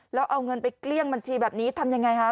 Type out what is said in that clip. แล้วเอาเงินไปเกลี้ยงบัญชีแบบนี้ทำยังไงคะ